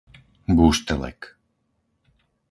Búštelek